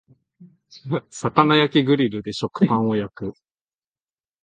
魚焼きグリルで食パンを焼く